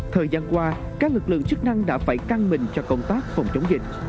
thời gian qua các lực lượng chức năng đã phải căng mình cho công tác phòng chống dịch